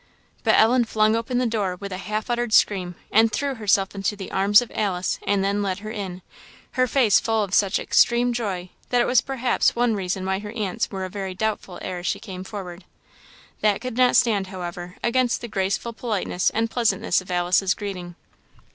But Ellen flung open the door with a half uttered scream, and threw herself into the arms of Alice, and then led her in; her face full of such extreme joy, that it was perhaps one reason why her aunt's wore a very doubtful air as she came forward. That could not stand, however, against the graceful politeness and pleasantness of Alice's greeting.